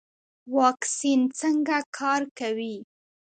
واکسین څنګه کار کوي؟